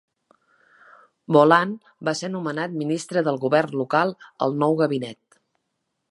Boland va ser nomenat Ministre del Gobern Local al nou gabinet.